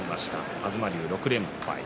東龍は６連敗。